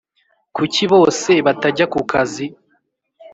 kuki bose batajya kukazi